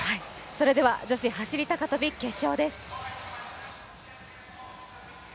それでは女子走高跳決勝です。